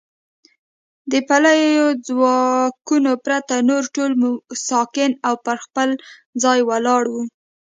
د پلیو ځواکونو پرته نور ټول ساکن او پر خپل ځای ولاړ و.